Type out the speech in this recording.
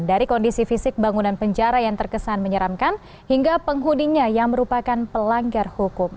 dari kondisi fisik bangunan penjara yang terkesan menyeramkan hingga penghuninya yang merupakan pelanggar hukum